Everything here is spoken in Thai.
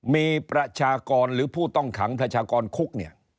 มีประชากรหรือผู้ต้องขังประชากรคุกเนี่ย